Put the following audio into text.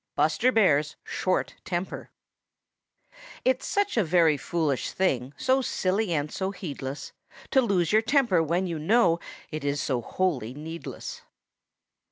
BUSTER BEAR'S SHORT TEMPER It's such a very foolish thing, So silly and so heedless, To lose your temper when you know It is so wholly needless.